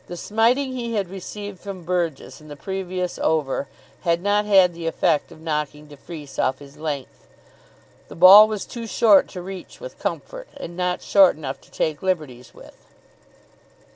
The smiting he had received from Burgess in the previous over had not had the effect of knocking de Freece off his length. The ball was too short to reach with comfort, and not short enough to take liberties with.